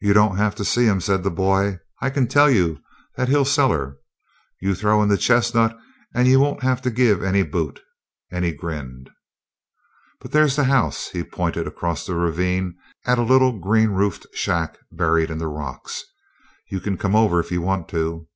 "You don't have to see him," said the boy. "I can tell you that he'll sell her. You throw in the chestnut and you won't have to give any boot." And he grinned. "But there's the house." He pointed across the ravine at a little green roofed shack buried in the rocks. "You can come over if you want to."